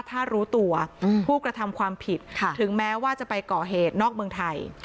ถ้ารู้ตัวผู้กระทำความผิดถึงแม้ว่าจะไปก่อเหตุนอกเมืองไทย